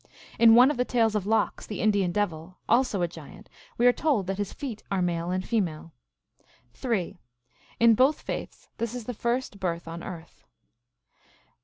In one of the tales of Lox, the Indian devil, also a giant, we are told that his feet are male and female. (3.) In both faiths this is the first birth on earth.